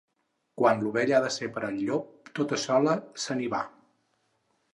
Quan l'ovella ha de ser per al llop, tota sola se n'hi va.